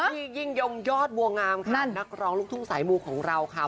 ที่ยิ่งยอมยอดวงามค่ะนักร้องลูกทุกข์สายมูกของเราค่ะ